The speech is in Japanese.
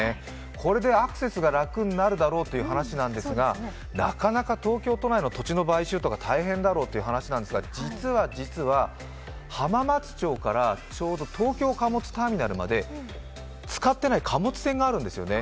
これでアクセスが楽になるだろうという話なんですが、なかなか東京都内の土地の買収とか大変だろうという話ですが、実は実は、浜松町からちょうど東京貨物ターミナルまで使ってない貨物線があるんですよね。